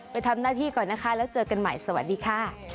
ไปทำหน้าที่ก่อนนะคะแล้วเจอกันใหม่สวัสดีค่ะ